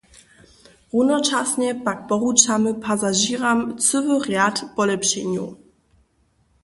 Runočasnje pak poručamy pasažěram cyły rjad polěpšenjow.